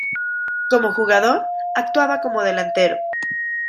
Como jugador actuaba como delantero.